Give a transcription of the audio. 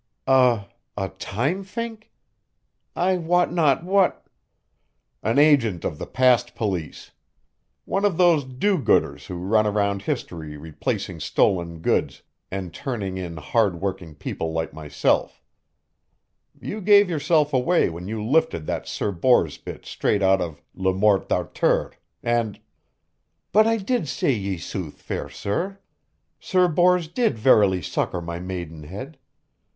a time fink? I wot not what " "An agent of the Past Police. One of those do gooders who run around history replacing stolen goods and turning in hard working people like myself. You gave yourself away when you lifted that Sir Bors bit straight out of Le Morte d'Arthur and " "But I did say ye sooth, fair sir. Sir Bors did verily succor my maidenhead.